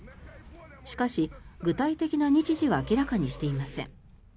しかし、具体的な日時は明らかにしていません。